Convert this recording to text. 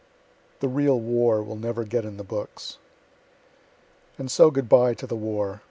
THE REAL WAR WILL NEVER GET IN THE BOOKS And so good bye to the war.